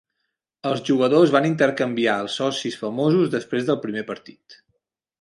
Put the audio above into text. Els jugadors van intercanviar els socis famosos després del primer partit.